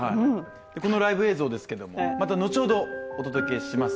このライブ映像、また後ほどお届けします。